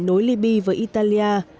nối libya với italia